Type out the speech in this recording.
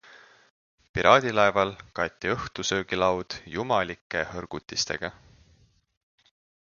Piraadilaeval kaeti õhtusöögilaud jumalike hõrgutistega.